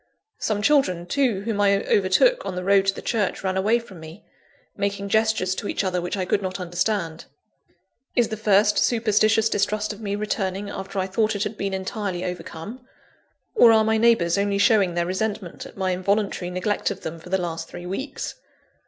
Some children, too, whom I overtook on the road to the church, ran away from me, making gestures to each other which I could not understand. Is the first superstitious distrust of me returning after I thought it had been entirely overcome? Or are my neighbours only showing their resentment at my involuntary neglect of them for the last three weeks?